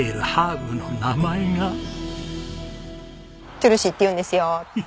トゥルシーっていうんですよ。